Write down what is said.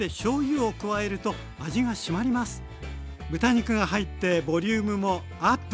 豚肉が入ってボリュームもアップ。